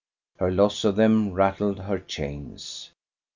Her loss of them rattled her chains.